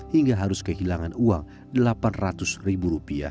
hingga harus kehilangan uang delapan ratus ribu rupiah